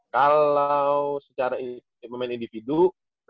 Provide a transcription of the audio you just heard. kalo secara tim pemain individual